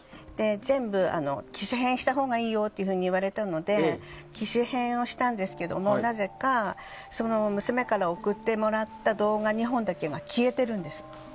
全部、機種変したほうがいいよと言われたので機種変をしたんですけどなぜか娘から送ってもらった動画２本だけが消えてるんです。